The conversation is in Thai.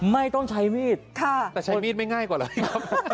ไม่ต้องใช้มีดค่ะแต่ใช้มีดไม่ง่ายกว่าหรอกของ